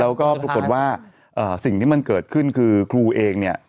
เราก็มีคนว่าสิ่งที่มันเกิดขึ้นคือครูเองเนี่ย